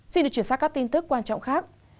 xin được chuyển sang các tin tức quan trọng khác